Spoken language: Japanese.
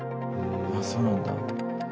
あっそうなんだ。